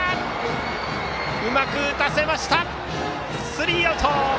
スリーアウト！